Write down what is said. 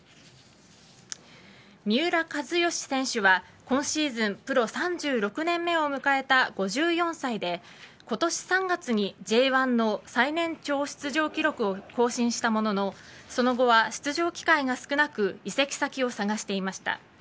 三浦知良選手は今シーズンプロ３６年目を迎えた５４歳で今年３月にＪ１の最年長出場記録を更新したもののその後は、出場機会が少なく移籍先を探していました。